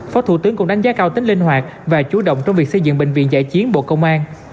phó thủ tướng cũng đánh giá cao tính linh hoạt và chủ động trong việc xây dựng bệnh viện giải chiến bộ công an